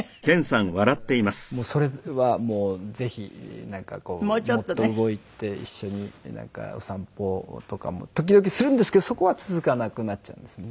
だからそれはもうぜひなんかもっと動いて一緒にお散歩とかも時々するんですけどそこは続かなくなっちゃうんですね。